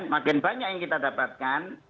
makin banyak yang kita dapatkan